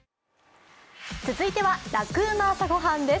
続いては「ラクうま！朝ごはん」です。